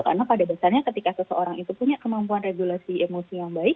karena pada dasarnya ketika seseorang itu punya kemampuan regulasi emosi yang baik